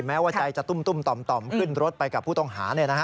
แม้ว่าใจจะตุ้มต่อมขึ้นรถไปกับผู้ต้องหา